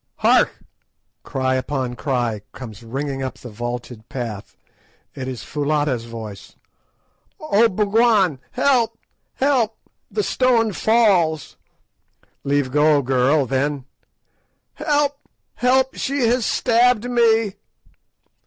Hark! Cry upon cry comes ringing up the vaulted path. It is Foulata's voice! "Oh, Bougwan! help! help! the stone falls!" "Leave go, girl! Then—" "_Help! help! she has stabbed me!